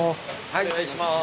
お願いします。